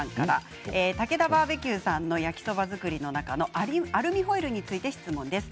たけだバーベキューさんの焼きそば作りの中のアルミホイルについて質問です。